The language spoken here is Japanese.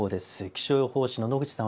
気象予報士の野口さん